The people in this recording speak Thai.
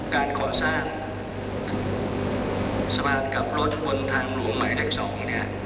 การขอสร้างสะพานกลับรถบนทางหลวงใหม่แรก๒